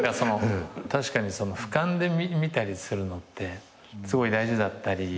確かに俯瞰で見たりするのってすごい大事だったりする。